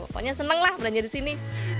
pokoknya seneng lah belanja disini